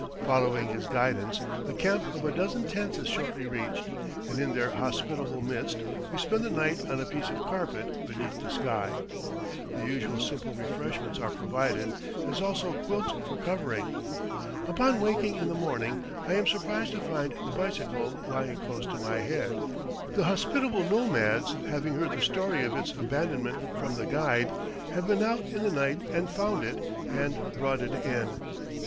Following his guidance, a camp of a dozen tents is shortly reached, and in their hospitable midst we spend the night on a piece of carpet beneath the sky. The usual simple refreshments are provided, as also quilts for covering. Upon waking in the morning I am surprised to find the bicycle lying close to my head. The hospitable nomads, having heard the story of its abandonment from the guide, have been out in the night and found it and brought it in.